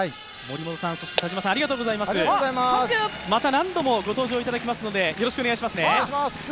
また何度もご登場いただきますので、よろしくお願いしますね。